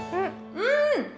うん。